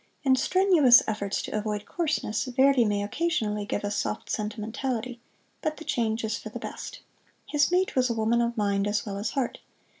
In strenuous efforts to avoid coarseness Verdi may occasionally give us soft sentimentality, but the change is for the best. His mate was a woman of mind as well as heart.